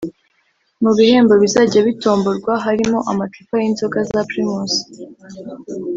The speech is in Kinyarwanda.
Mu bihembo bizajya bitomborwa harimo amacupa y’inzoga za Primus